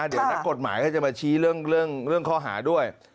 เดี๋ยวนักกฎหมายก็จะมาชี้เรื่องข้อหาด้วย